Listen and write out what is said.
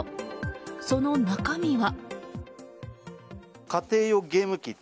その中身は。